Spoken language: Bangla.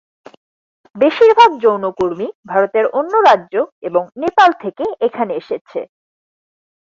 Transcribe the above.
বেশীরভাগ যৌনকর্মী ভারতের অন্য রাজ্য এবং নেপাল থেকে এখানে এসেছে।